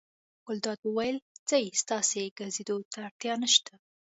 ګلداد وویل: ځئ ستاسې ګرځېدو ته اړتیا نه شته.